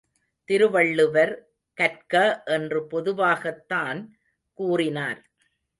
திருவள்ளுவர் கற்க என்று பொதுவாகத்தான் கூறினார்.